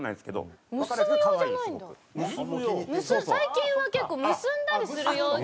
最近は結構結んだりする用に。